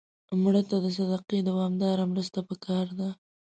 مړه ته د صدقې دوامداره مرسته پکار ده